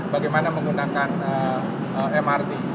bagaimana menggunakan mrt